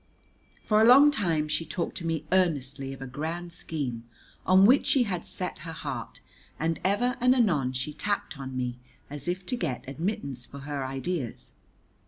For a long time she talked to me earnestly of a grand scheme on which she had set her heart, and ever and anon she tapped on me as if to get admittance for her ideas.